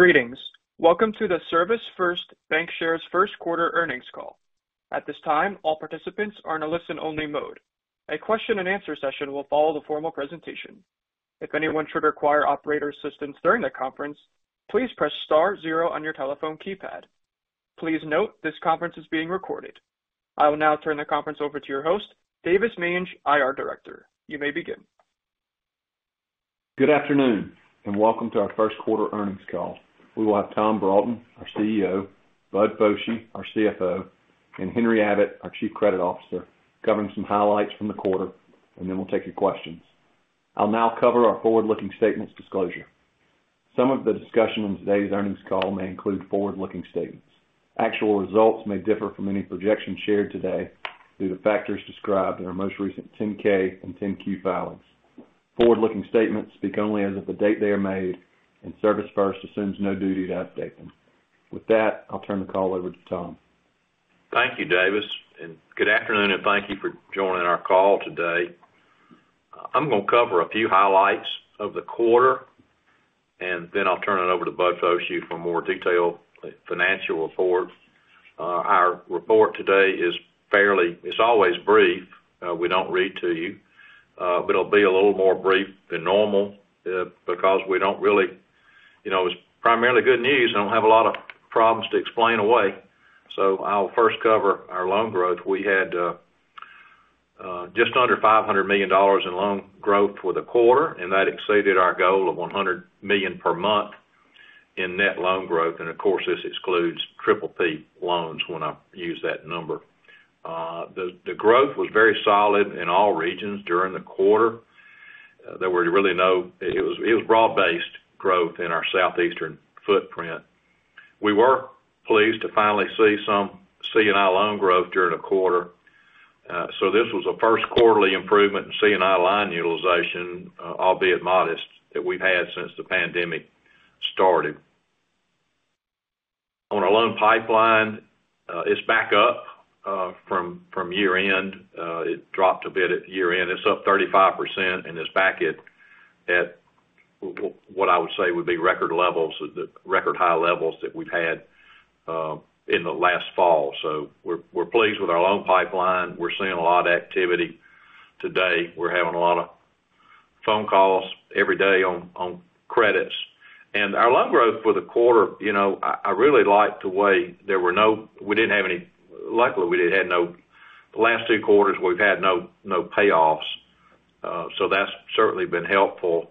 Greetings. Welcome to the ServisFirst Bancshares first quarter earnings call. At this time, all participants are in a listen-only mode. A question-and-answer session will follow the formal presentation. If anyone should require operator assistance during the conference, please press star zero on your telephone keypad. Please note this conference is being recorded. I will now turn the conference over to your host, Davis Mange, IR director. You may begin. Good afternoon, and welcome to our first quarter earnings call. We will have Tom Broughton, our CEO, Bud Foushee, our CFO, and Henry Abbott, our Chief Credit Officer, covering some highlights from the quarter, and then we'll take your questions. I'll now cover our forward-looking statements disclosure. Some of the discussion on today's earnings call may include forward-looking statements. Actual results may differ from any projections shared today due to factors described in our most recent 10-K and 10-Q filings. Forward-looking statements speak only as of the date they are made, and ServisFirst assumes no duty to update them. With that, I'll turn the call over to Tom. Thank you, Davis, and good afternoon, and thank you for joining our call today. I'm gonna cover a few highlights of the quarter, and then I'll turn it over to Bud Foushee for more detailed financial report. Our report today is fairly. It's always brief, we don't read to you, but it'll be a little more brief than normal, because we don't really, you know, it's primarily good news and don't have a lot of problems to explain away. I'll first cover our loan growth. We had just under $500 million in loan growth for the quarter, and that exceeded our goal of $100 million per month in net loan growth. Of course, this excludes Triple P loans when I use that number. The growth was very solid in all regions during the quarter. It was broad-based growth in our southeastern footprint. We were pleased to finally see some C&I loan growth during the quarter. This was the first quarterly improvement in C&I line utilization, albeit modest, that we've had since the pandemic started. On our loan pipeline, it's back up from year-end. It dropped a bit at year-end. It's up 35% and it's back at what I would say would be record levels, the record high levels that we've had in the last fall. We're pleased with our loan pipeline. We're seeing a lot of activity today. We're having a lot of phone calls every day on credits. Our loan growth for the quarter, you know, I really like the way we didn't have any. Luckily, the last two quarters, we've had no payoffs, so that's certainly been helpful.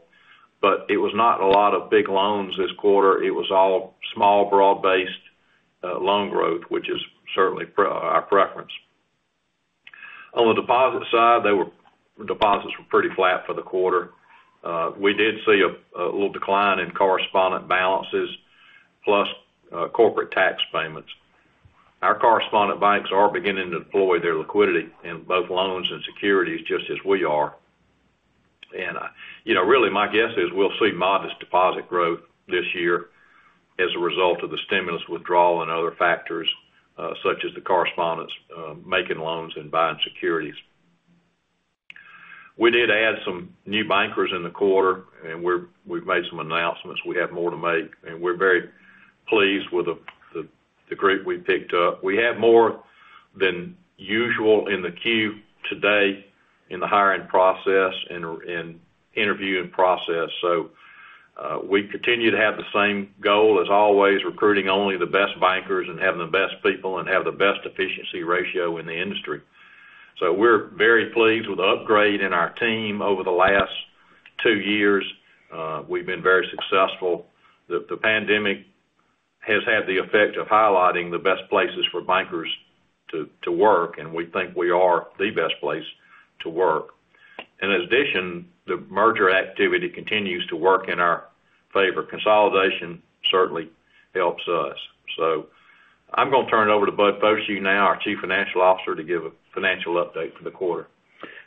It was not a lot of big loans this quarter. It was all small, broad-based loan growth, which is certainly our preference. On the deposit side, deposits were pretty flat for the quarter. We did see a little decline in correspondent balances plus corporate tax payments. Our correspondent banks are beginning to deploy their liquidity in both loans and securities just as we are. You know, really, my guess is we'll see modest deposit growth this year as a result of the stimulus withdrawal and other factors, such as the correspondents making loans and buying securities. We did add some new bankers in the quarter, and we've made some announcements. We have more to make, and we're very pleased with the group we picked up. We have more than usual in the queue today in the hiring process and interviewing process. We continue to have the same goal as always, recruiting only the best bankers and having the best people and the best efficiency ratio in the industry. We're very pleased with the upgrade in our team over the last two years. We've been very successful. The pandemic has had the effect of highlighting the best places for bankers to work, and we think we are the best place to work. In addition, the merger activity continues to work in our favor. Consolidation certainly helps us. I'm gonna turn it over to Bud Foshee now, our Chief Financial Officer, to give a financial update for the quarter.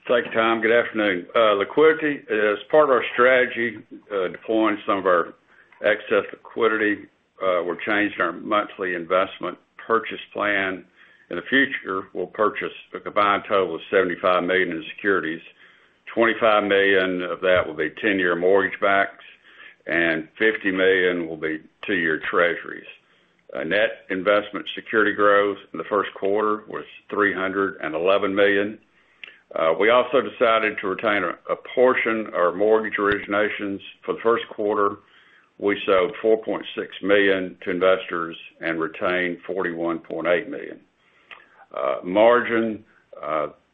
Thank you, Tom. Good afternoon. Liquidity. As part of our strategy, deploying some of our excess liquidity, we're changing our monthly investment purchase plan. In the future, we'll purchase a combined total of $75 million in securities. $25 million of that will be ten-year mortgage backs, and $50 million will be two-year treasuries. Net investment security growth in the first quarter was $311 million. We also decided to retain a portion of our mortgage originations. For the first quarter, we sold $4.6 million to investors and retained $41.8 million. Margin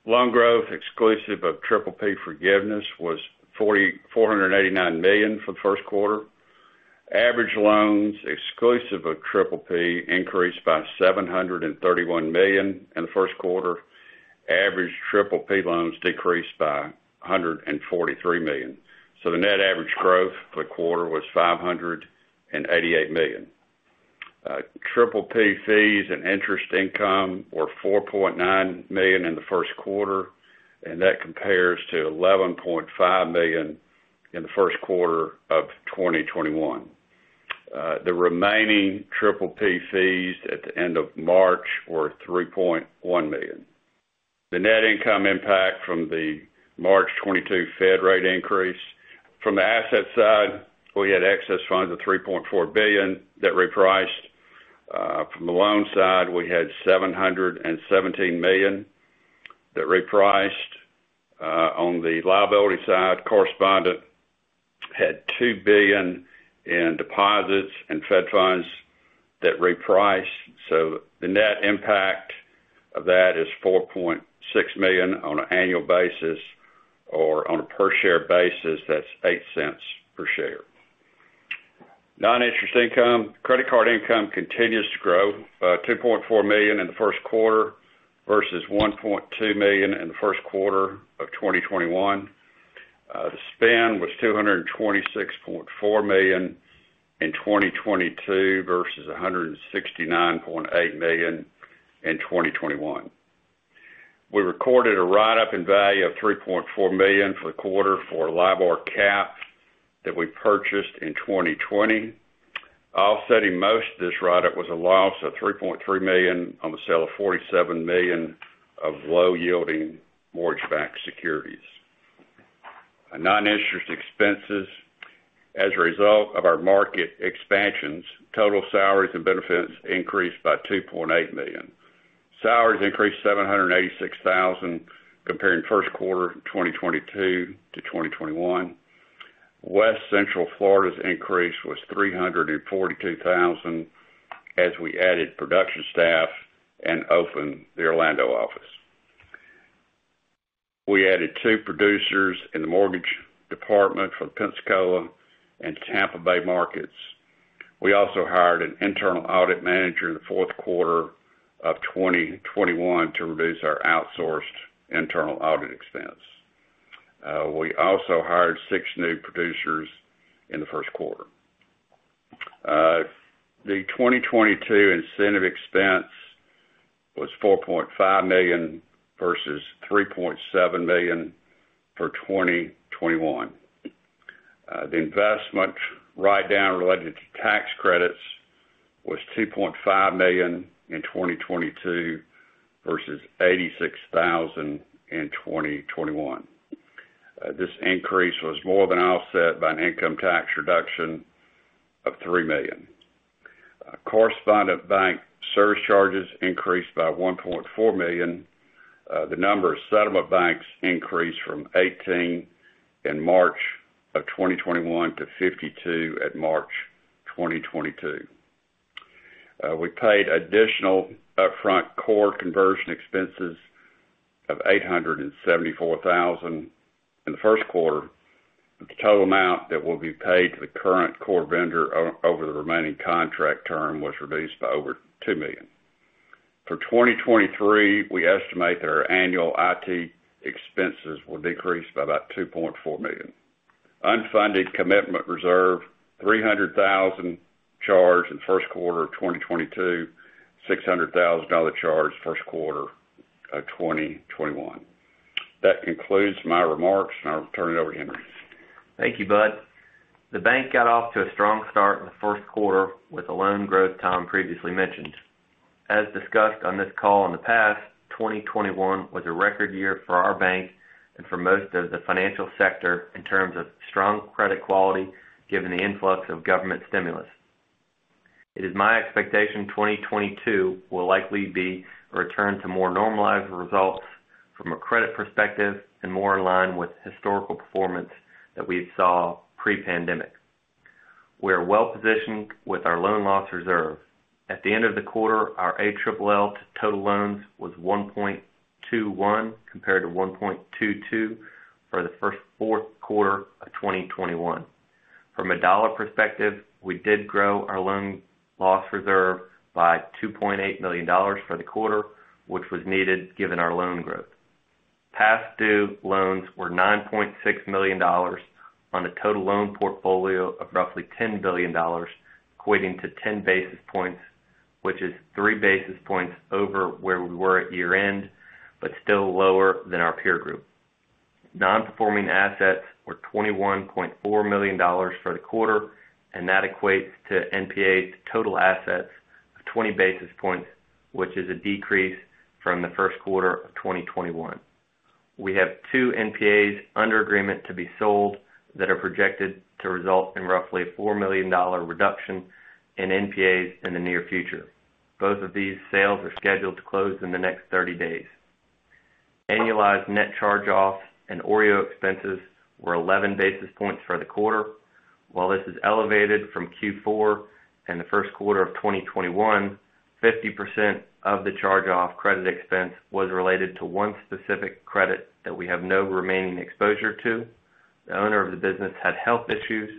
loan growth, exclusive of PPP forgiveness, was $489 million for the first quarter. Average loans, exclusive of PPP, increased by $731 million in the first quarter. Average PPP loans decreased by $143 million. The net average growth for the quarter was $588 million. PPP fees and interest income were $4.9 million in the first quarter, and that compares to $11.5 million in the first quarter of 2021. The remaining PPP fees at the end of March were $3.1 million. The net income impact from the March 2022 Fed rate increase from the asset side, we had excess funds of $3.4 billion that repriced. From the loan side, we had $717 million that repriced. On the liability side, correspondent had $2 billion in deposits and Fed funds that reprice. The net impact of that is $4.6 million on an annual basis, or on a per share basis, that's $0.08 per share. Non-interest income. Credit card income continues to grow, $2.4 million in the first quarter versus $1.2 million in the first quarter of 2021. The spend was $226.4 million in 2022 versus $169.8 million in 2021. We recorded a write-up in value of $3.4 million for the quarter for LIBOR cap that we purchased in 2020. Offsetting most of this write-up was a loss of $3.3 million on the sale of $47 million of low-yielding mortgage-backed securities. Non-interest expenses as a result of our market expansions, total salaries and benefits increased by $2.8 million. Salaries increased $786,000 comparing first quarter of 2022 to 2021. West Central Florida's increase was $342,000 as we added production staff and opened the Orlando office. We added two producers in the mortgage department for the Pensacola and Tampa Bay markets. We also hired an internal audit manager in the fourth quarter of 2021 to reduce our outsourced internal audit expense. We also hired six new producers in the first quarter. The 2022 incentive expense was $4.5 million versus $3.7 million for 2021. The investment write-down related to tax credits was $2.5 million in 2022 versus $86,000 in 2021. This increase was more than offset by an income tax reduction of $3 million. Correspondent bank service charges increased by $1.4 million. The number of settlement banks increased from 18 in March 2021 to 52 at March 2022. We paid additional upfront core conversion expenses of $874,000 in the first quarter, but the total amount that will be paid to the current core vendor over the remaining contract term was reduced by over $2 million. For 2023, we estimate that our annual IT expenses will decrease by about $2.4 million. Unfunded commitment reserve, $300,000 charged in first quarter of 2022, $600,000 charged first quarter of 2021. That concludes my remarks, and I'll turn it over to Henry. Thank you, Bud. The bank got off to a strong start in the first quarter with the loan growth Tom previously mentioned. As discussed on this call in the past, 2021 was a record year for our bank and for most of the financial sector in terms of strong credit quality, given the influx of government stimulus. It is my expectation 2022 will likely be a return to more normalized results from a credit perspective and more in line with historical performance that we saw pre-pandemic. We are well-positioned with our loan loss reserve. At the end of the quarter, our ALL to total loans was 1.21 compared to 1.22 for the fourth quarter of 2021. From a dollar perspective, we did grow our loan loss reserve by $2.8 million for the quarter, which was needed given our loan growth. Past due loans were $9.6 million on a total loan portfolio of roughly $10 billion, equating to 10 basis points, which is 3 basis points over where we were at year-end, but still lower than our peer group. Non-performing assets were $21.4 million for the quarter, and that equates to NPA to total assets of 20 basis points, which is a decrease from the first quarter of 2021. We have 2 NPAs under agreement to be sold that are projected to result in roughly $4 million reduction in NPAs in the near future. Both of these sales are scheduled to close in the next 30 days. Annualized net charge-offs and OREO expenses were 11 basis points for the quarter. While this is elevated from Q4 and the first quarter of 2021, 50% of the charge-off credit expense was related to one specific credit that we have no remaining exposure to. The owner of the business had health issues.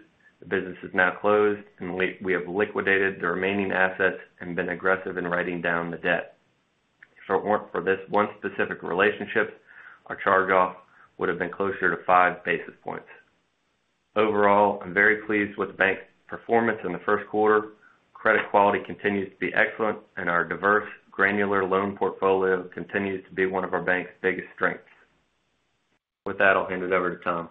The business is now closed, and we have liquidated the remaining assets and been aggressive in writing down the debt. If it weren't for this one specific relationship, our charge-off would have been closer to five basis points. Overall, I'm very pleased with the bank's performance in the first quarter. Credit quality continues to be excellent, and our diverse granular loan portfolio continues to be one of our bank's biggest strengths. With that, I'll hand it over to Tom.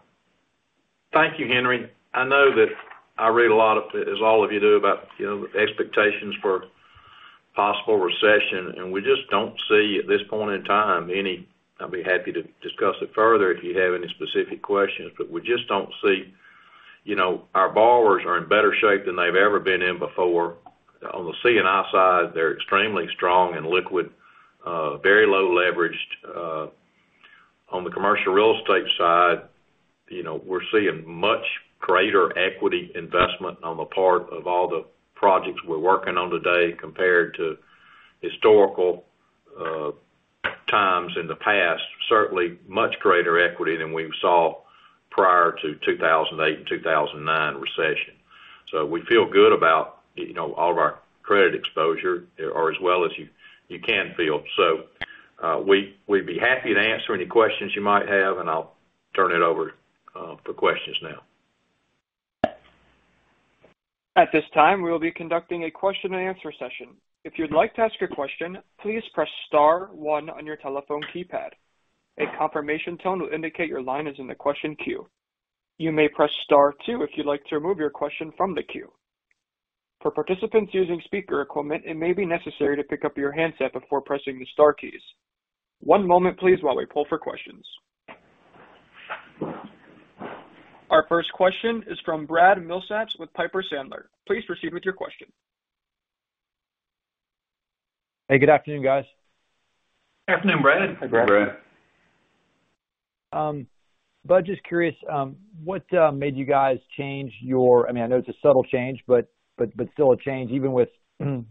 Thank you, Henry. I know that I read a lot of, as all of you do, about, you know, expectations for possible recession, and we just don't see at this point in time any. I'll be happy to discuss it further if you have any specific questions, but we just don't see, you know, our borrowers are in better shape than they've ever been in before. On the C&I side, they're extremely strong and liquid, very low leveraged. On the commercial real estate side, you know, we're seeing much greater equity investment on the part of all the projects we're working on today compared to historical times in the past. Certainly much greater equity than we saw prior to 2008 and 2009 recession. We feel good about, you know, all of our credit exposure or as well as you can feel. We'd be happy to answer any questions you might have, and I'll turn it over for questions now. At this time, we will be conducting a question-and-answer session. If you'd like to ask a question, please press star one on your telephone keypad. A confirmation tone will indicate your line is in the question queue. You may press star two if you'd like to remove your question from the queue. For participants using speaker equipment, it may be necessary to pick up your handset before pressing the star keys. One moment please while we poll for questions. Our first question is from Brad Milsaps with Piper Sandler. Please proceed with your question. Hey, good afternoon, guys. Afternoon, Brad. Hey, Brad. Bud, just curious, what made you guys change? I mean, I know it's a subtle change, but still a change even with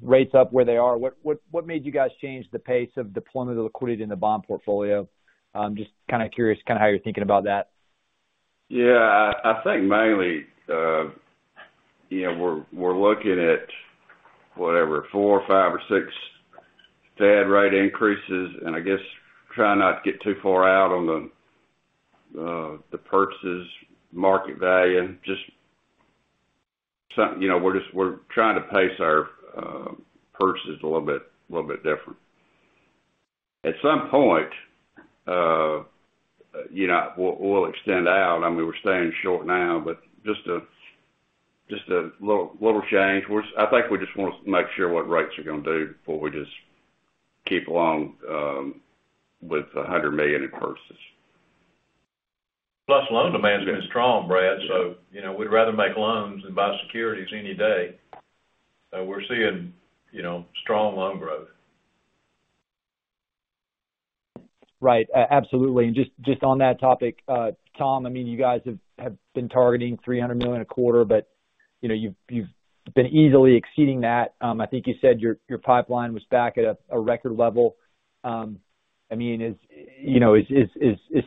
rates up where they are. What made you guys change the pace of deployment of liquidity in the bond portfolio? I'm just kind of curious kind of how you're thinking about that. Yeah. I think mainly, you know, we're looking at whatever, 4 or 5 or 6 Fed rate increases and I guess try not to get too far out on the purchases market value and just something, you know, we're just trying to pace our purchases a little bit different. At some point, you know, we'll extend out. I mean, we're staying short now, but just a little change. I think we just want to make sure what rates are gonna do before we just keep along with $100 million in purchases. Plus, loan demand's been strong, Brad, so, you know, we'd rather make loans than buy securities any day. We're seeing, you know, strong loan growth. Right. Absolutely. Just on that topic, Tom, I mean, you guys have been targeting $300 million a quarter, but you know, you've been easily exceeding that. I think you said your pipeline was back at a record level. I mean, you know, is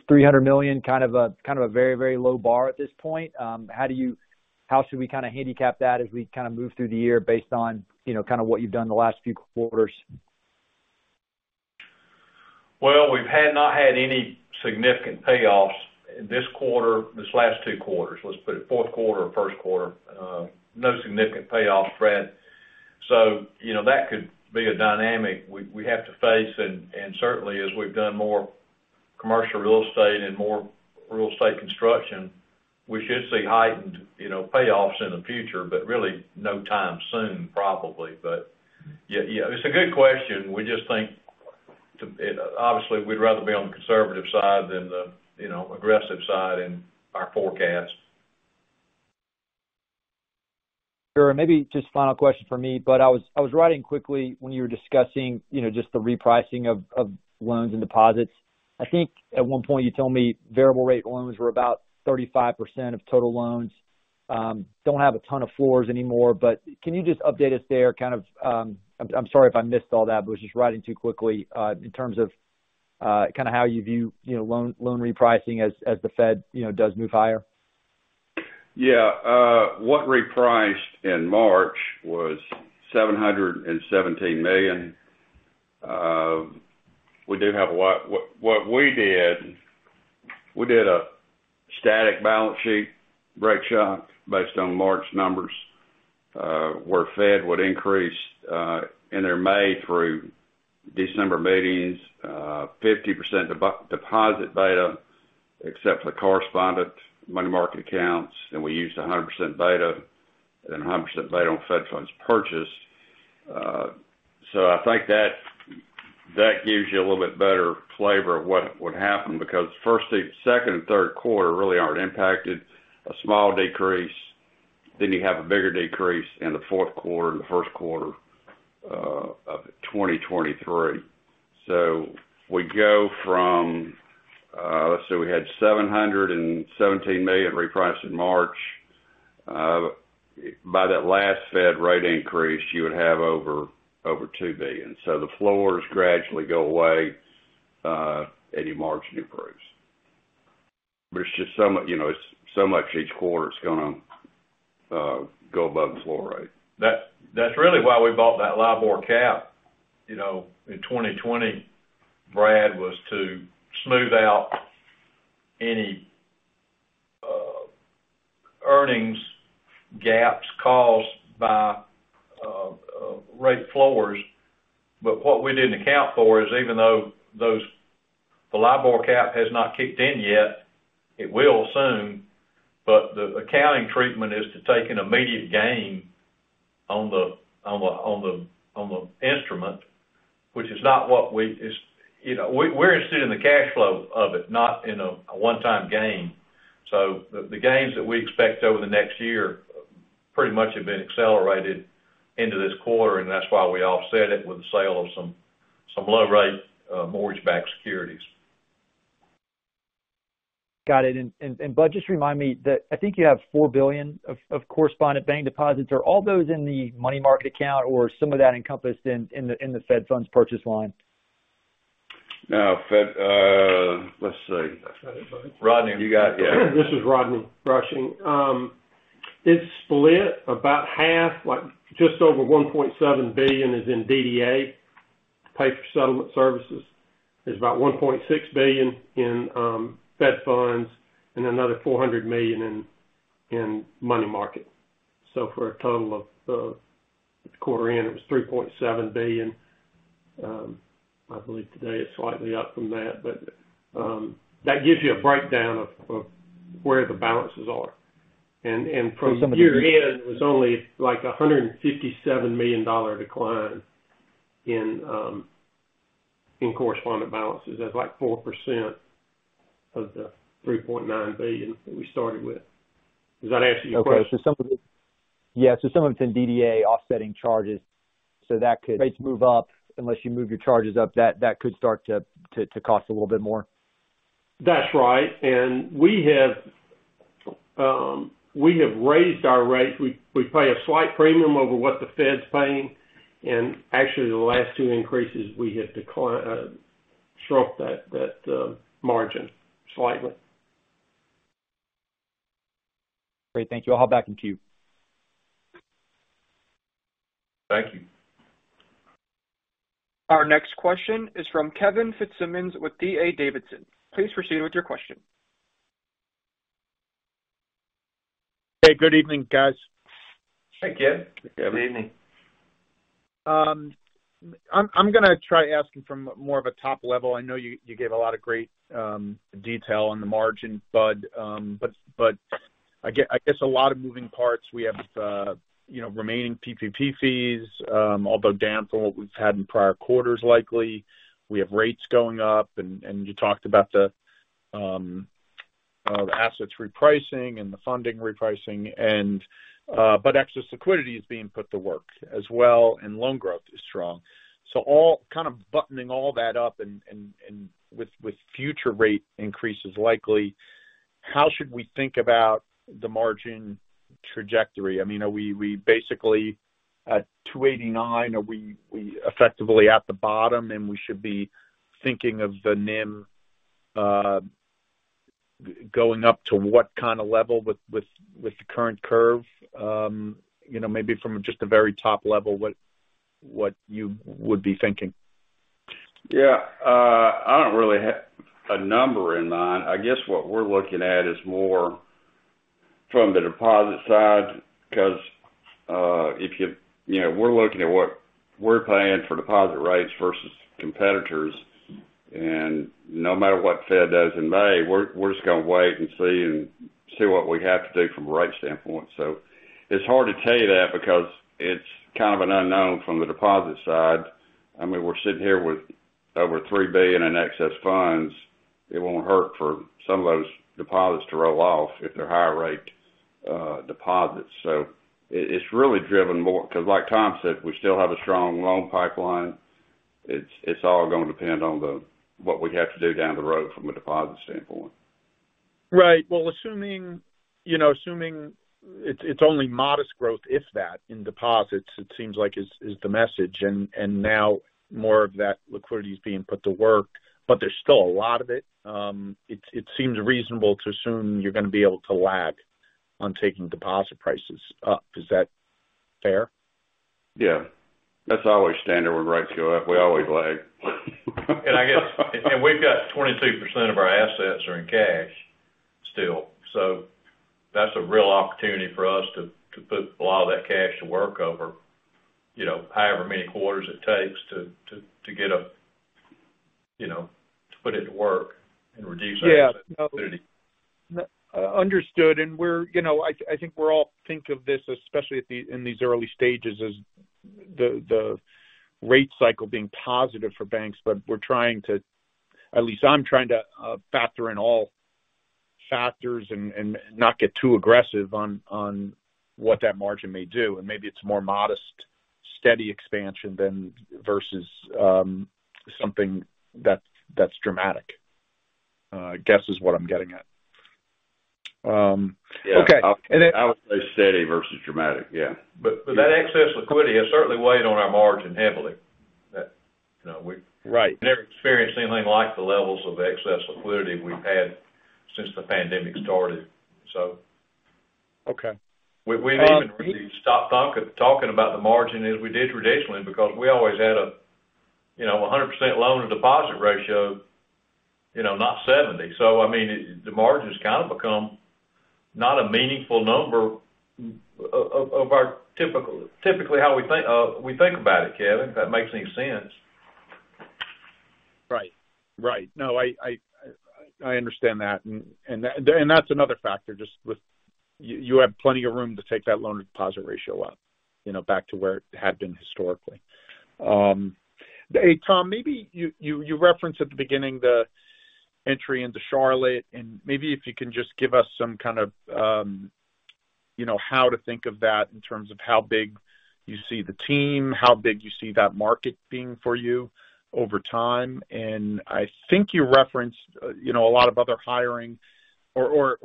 $300 million kind of a very low bar at this point? How should we kind of handicap that as we kind of move through the year based on you know, kind of what you've done the last few quarters? Well, we've not had any significant payoffs in this quarter, this last two quarters, let's put it, fourth quarter and first quarter. No significant payoffs, Brad. You know, that could be a dynamic we have to face, and certainly as we've done more commercial real estate and more real estate construction, we should see heightened, you know, payoffs in the future, but really no time soon, probably. Yeah, it's a good question. We just think too. Obviously, we'd rather be on the conservative side than the, you know, aggressive side in our forecast. Sure. Maybe just final question for me, but I was writing quickly when you were discussing, you know, just the repricing of loans and deposits. I think at one point you told me variable rate loans were about 35% of total loans. Don't have a ton of floors anymore, but can you just update us there kind of. I'm sorry if I missed all that, but was just writing too quickly, in terms of kind of how you view, you know, loan repricing as the Fed, you know, does move higher. Yeah. What repriced in March was $717 million. We do have a lot. What we did, we did a static balance sheet rate shock based on March numbers, where Fed would increase in their May through December meetings, 50% deposit beta, except for the correspondent money market accounts, and we used a 100% beta on Fed funds purchased. I think that gives you a little bit better flavor of what happened because first, second, and third quarter really aren't impacted, a small decrease. Then you have a bigger decrease in the fourth quarter and the first quarter of 2023. We go from, let's see, we had $717 million repriced in March. By that last Fed rate increase, you would have over $2 billion. The floors gradually go away, and NIM improves. It's just so much, you know, each quarter it's gonna go above the floor rate. That's really why we bought that LIBOR cap, you know, in 2020, Brad, was to smooth out any Earnings gaps caused by rate floors. What we didn't account for is even though the LIBOR cap has not kicked in yet, it will soon. The accounting treatment is to take an immediate gain on the instrument, which is not what we're interested in. You know, we're interested in the cash flow of it, not in a one-time gain. The gains that we expect over the next year pretty much have been accelerated into this quarter, and that's why we offset it with the sale of some low rate mortgage-backed securities. Got it. Bud, just remind me that I think you have $4 billion of correspondent bank deposits. Are all those in the money market account or some of that encompassed in the Fed funds purchase line? Let's see. Rodney, you got it. This is Rodney Rushing. It's split about half, like, just over $1.7 billion is in DDA, pay for settlement services. There's about $1.6 billion in Fed funds and another $400 million in money market. For a total of, at the quarter end, it was $3.7 billion. I believe today it's slightly up from that, but that gives you a breakdown of where the balances are. From year end, it was only like a $157 million decline in correspondent balances. That's like 4% of the $3.9 billion that we started with. Does that answer your question? Some of it's in DDA offsetting charges, so that could basically move up unless you move your charges up. That could start to cost a little bit more. That's right. We have raised our rates. We pay a slight premium over what the Fed's paying. Actually, the last two increases, we have shrunk that margin slightly. Great. Thank you. I'll hop back into queue. Thank you. Our next question is from Kevin Fitzsimmons with D.A. Davidson. Please proceed with your question. Hey, good evening, guys. Hey, Kevin. Good evening. I'm gonna try asking from more of a top level. I know you gave a lot of great detail on the margin, Bud. I guess a lot of moving parts. We have you know, remaining PPP fees, although down from what we've had in prior quarters, likely. We have rates going up and you talked about the assets repricing and the funding repricing and but excess liquidity is being put to work as well, and loan growth is strong. Kind of buttoning all that up and with future rate increases likely, how should we think about the margin trajectory? I mean, are we basically at 289, are we effectively at the bottom and we should be thinking of the NIM going up to what kind of level with the current curve? You know, maybe from just a very top level, what you would be thinking. Yeah. I don't really have a number in mind. I guess what we're looking at is more from the deposit side, because you know, we're looking at what we're paying for deposit rates versus competitors. No matter what Fed does in May, we're just gonna wait and see what we have to do from a rate standpoint. It's hard to tell you that because it's kind of an unknown from the deposit side. I mean, we're sitting here with over $3 billion in excess funds. It won't hurt for some of those deposits to roll off if they're higher rate deposits. It's really driven more 'cause like Tom said, we still have a strong loan pipeline. It's all gonna depend on what we have to do down the road from a deposit standpoint. Right. Well, assuming, you know, it's only modest growth, if that, in deposits, it seems like is the message. Now more of that liquidity is being put to work, but there's still a lot of it. It seems reasonable to assume you're gonna be able to lag on taking deposit prices up. Is that fair? Yeah. That's always standard when rates go up. We always lag. We've got 22% of our assets are in cash still. So that's a real opportunity for us to put a lot of that cash to work over, you know, however many quarters it takes to get a, you know, to put it to work and reduce our asset liquidity. Yeah. Understood. We're, you know, I think we're all thinking of this, especially in these early stages as the rate cycle being positive for banks, but we're trying to, at least I'm trying to, factor in all factors and not get too aggressive on what that margin may do. Maybe it's more modest, steady expansion than versus something that's dramatic. I guess that's what I'm getting at. Okay. Then- Yeah. I would say steady versus dramatic. Yeah. That excess liquidity has certainly weighed on our margin heavily. That, you know, we've Right. We've never experienced anything like the levels of excess liquidity we've had since the pandemic started, so. Okay. We've even stopped talking about the margin as we did traditionally because we always had a, you know, a 100% loan to deposit ratio. You know, not 70. I mean, the margin has kind of become not a meaningful number of our typically how we think about it, Kevin, if that makes any sense. Right. No, I understand that. That's another factor, just with you have plenty of room to take that loan deposit ratio up, you know, back to where it had been historically. Hey, Tom, maybe you referenced at the beginning the entry into Charlotte, and maybe if you can just give us some kind of, you know, how to think of that in terms of how big you see the team, how big you see that market being for you over time. I think you referenced, you know, a lot of other hiring or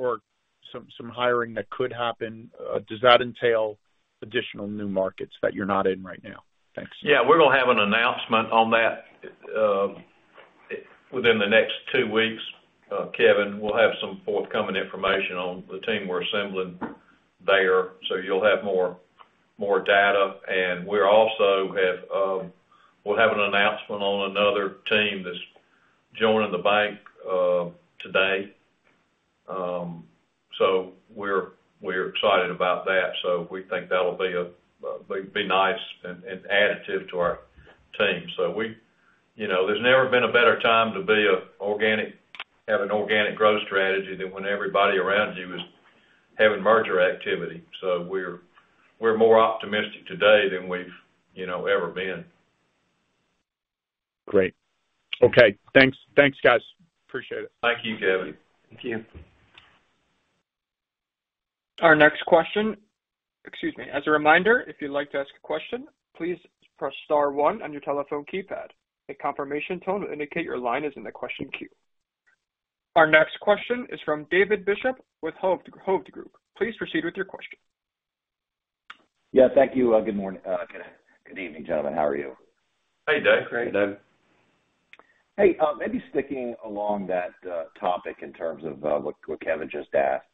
some hiring that could happen. Does that entail additional new markets that you're not in right now? Thanks. Yeah, we're gonna have an announcement on that within the next two weeks, Kevin. We'll have some forthcoming information on the team we're assembling there, so you'll have more data. We also have, we'll have an announcement on another team that's joining the bank today. We're excited about that. We think that'll be nice and additive to our team. We, you know, there's never been a better time to have an organic growth strategy than when everybody around you is having merger activity. We're more optimistic today than we've, you know, ever been. Great. Okay. Thanks. Thanks, guys. Appreciate it. Thank you, Kevin. Thank you. Our next question. Excuse me. Our next question is from David Bishop with Hovde Group. Please proceed with your question. Yeah, thank you. Good morning, good evening, gentlemen. How are you? Hey, David. Great, David. Hey, maybe sticking along that topic in terms of what Kevin just asked,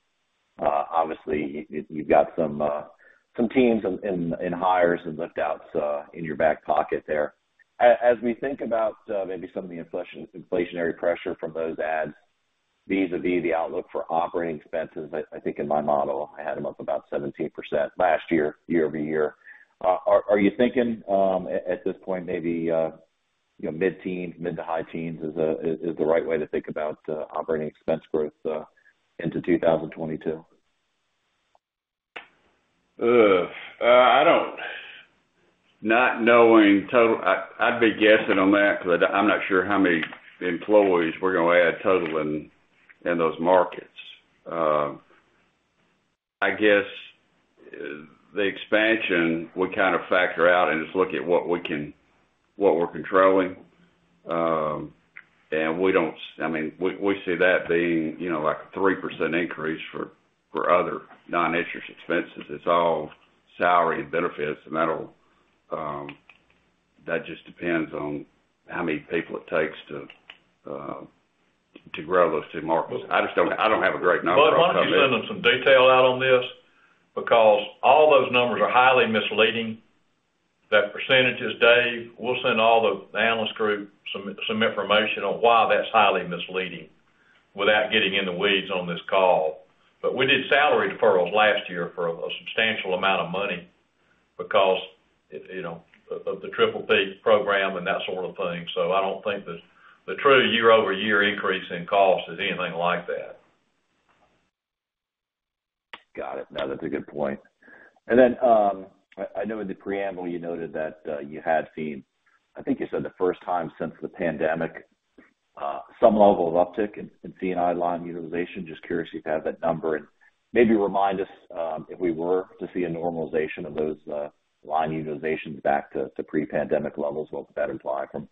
obviously you've got some teams in hires and lift outs in your back pocket there. As we think about maybe some of the inflationary pressure from those adds vis-a-vis the outlook for operating expenses, I think in my model, I had them up about 17% last year year-over-year. Are you thinking at this point, maybe you know, mid teens, mid to high teens is the right way to think about operating expense growth into 2022? Not knowing the total, I'd be guessing on that because I'm not sure how many employees we're going to add total in those markets. I guess the expansion, we kind of factor out and just look at what we're controlling, and I mean, we see that being, you know, like a 3% increase for other non-interest expenses. It's all salary and benefits, and that'll just depends on how many people it takes to grow those two markets. I just don't have a great number on that. Bud, why don't you send him some detail out on this? Because all those numbers are highly misleading. Those percentages, Dave, we'll send all the analyst group some information on why that's highly misleading without getting in the weeds on this call. We did salary deferrals last year for a substantial amount of money because, you know, of the PPP program and that sort of thing. I don't think the true year-over-year increase in cost is anything like that. Got it. No, that's a good point. I know in the preamble you noted that you had seen, I think you said the first time since the pandemic, some level of uptick in C&I line utilization. Just curious if you have that number and maybe remind us, if we were to see a normalization of those line utilizations back to pre-pandemic levels, what would that imply for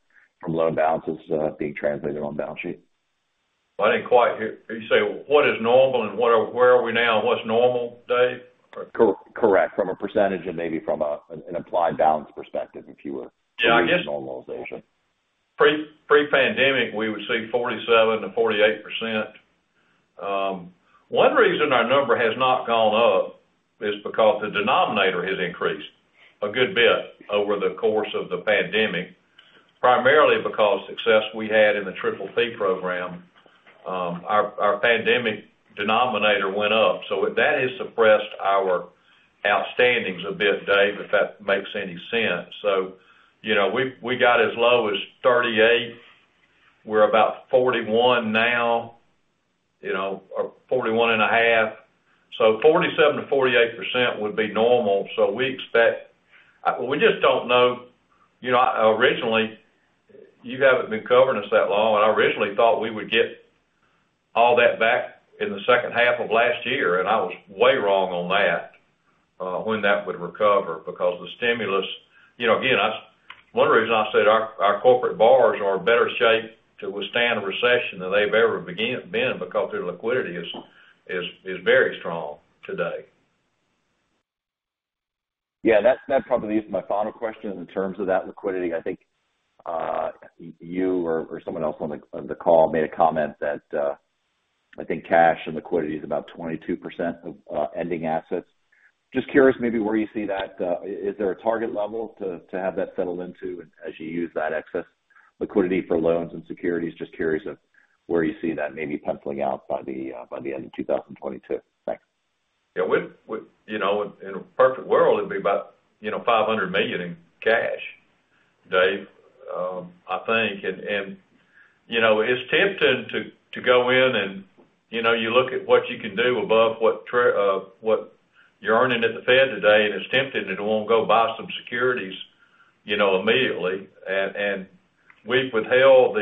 loan balances being translated on balance sheet? I didn't quite hear. Are you saying what is normal, where are we now and what's normal, Dave? Correct. From a percentage and maybe from an applied balance perspective, if you were to use normalization. Pre-pandemic, we would see 47%-48%. One reason our number has not gone up is because the denominator has increased a good bit over the course of the pandemic, primarily because success we had in the PPP program, our pandemic denominator went up. That has suppressed our outstandings a bit, Dave, if that makes any sense. You know, we've got as low as 38%. We're about 41% now, you know, or 41.5%. 47%-48% would be normal. We expect... We just don't know, you know, originally, you haven't been covering us that long, and I originally thought we would get all that back in the second half of last year, and I was way wrong on that when that would recover because the stimulus, you know, again, one reason I said our corporate borrowers are in better shape to withstand a recession than they've ever been because their liquidity is very strong today. Yeah, that's probably my final question in terms of that liquidity. I think you or someone else on the call made a comment that I think cash and liquidity is about 22% of ending assets. Just curious maybe where you see that. Is there a target level to have that settled into as you use that excess liquidity for loans and securities? Just curious of where you see that maybe penciling out by the end of 2022. Thanks. Yeah, we you know, in a perfect world, it'd be about, you know, $500 million in cash, Dave, I think. You know, it's tempting to go in and, you know, you look at what you can do above what you're earning at the Fed today, and it's tempting to want to go buy some securities, you know, immediately. We've withheld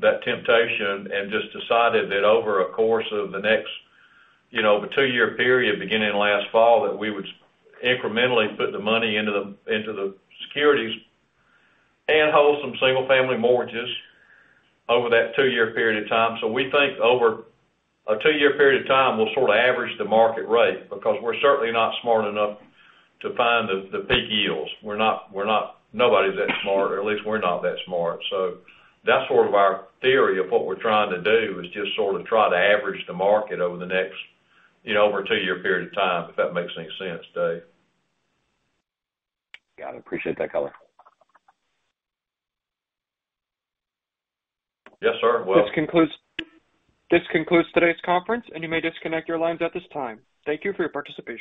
that temptation and just decided that over a course of the next, you know, the two-year period, beginning last fall, that we would incrementally put the money into the securities and hold some single-family mortgages over that two-year period of time. We think over a two-year period of time, we'll sort of average the market rate because we're certainly not smart enough to find the peak yields. Nobody's that smart, or at least we're not that smart. That's sort of our theory of what we're trying to do, is just sort of try to average the market over the next, you know, over a two-year period of time, if that makes any sense, Dave. Got it. Appreciate that color. Yes, sir. This concludes today's conference, and you may disconnect your lines at this time. Thank you for your participation.